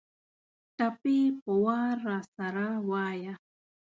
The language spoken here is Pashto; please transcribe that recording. ټپې په وار راسره وايه